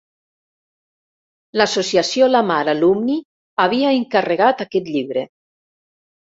L'Associació Lamar Alumni havia encarregat aquest llibre.